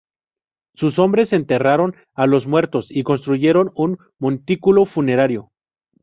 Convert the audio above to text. Sus hombres enterraron a los muertos y construyeron un montículo funerario.